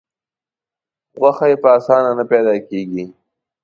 غوښه یې په اسانه نه پیدا کېږي.